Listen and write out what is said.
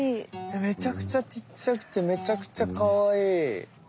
めちゃくちゃちっちゃくてめちゃくちゃカワイイ。